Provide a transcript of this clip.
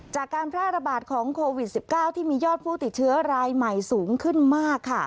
จากการแพร่ระบาดของโควิด๑๙ที่มียอดผู้ติดเชื้อรายใหม่สูงขึ้นมากค่ะ